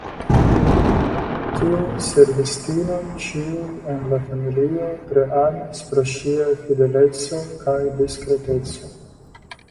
Tiun servistinon ĉiuj en la familio tre amis pro ŝia fideleco kaj diskreteco.